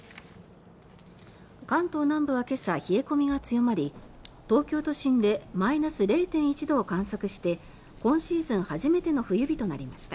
関東南部は今朝冷え込みが強まり東京都心でマイナス０．１度を観測して今シーズン初めての冬日となりました。